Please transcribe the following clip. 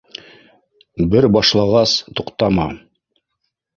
— Бер башлағас, туҡтама